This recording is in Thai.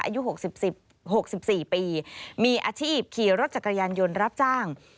อายุ๖๔ปีมีอาชีพขี่รถจักรยานยนต์รับจ้าง